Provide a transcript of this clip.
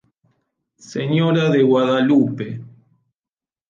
Señora de Guadalupe.